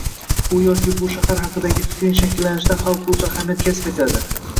U yoki bu shahar haqidagi fikrning shakllanishida hal qiluvchi ahamiyat kasb etdi